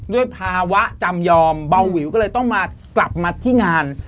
ด้วยภาวะจำยอมเบาวิวก็เลยต้องมากลับมาที่งาน